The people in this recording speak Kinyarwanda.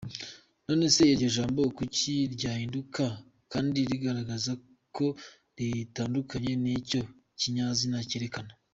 None se iryo jambo kuki ryahinduka kandi rigaragaza ko ritandukanye n’icyo kinyazina cyerekana?